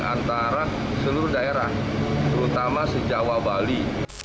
antara seluruh daerah terutama sejauh bali